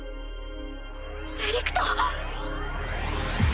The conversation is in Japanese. エリクト！